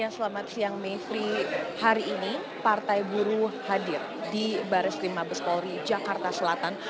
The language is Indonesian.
selamat siang mevri hari ini partai buruh hadir di baris krim mabes polri jakarta selatan